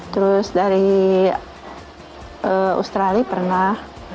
terus dari australia pernah